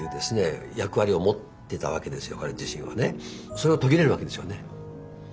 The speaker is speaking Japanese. それが途切れるわけですよね。